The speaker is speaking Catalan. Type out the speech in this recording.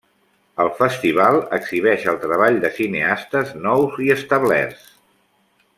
El festival exhibeix el treball de cineastes nous i establerts.